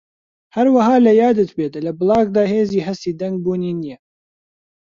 هەروەها لەیادت بێت لە بڵاگدا هێزی هەستی دەنگ بوونی نییە